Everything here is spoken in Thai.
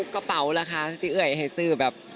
กระเป๋าล่ะค่ะที่เอ่ยให้ซื้อแบบ